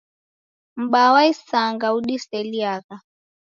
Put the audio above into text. M'baa wa isanga udiseliagha.